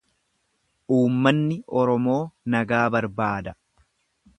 Uummanni Oromoo nagaa barbaada.